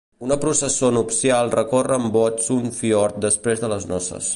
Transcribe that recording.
Una processó nupcial recorre en bots un fiord després de les noces.